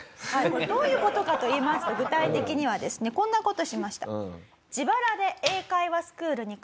これどういう事かといいますと具体的にはですねこんな事しました。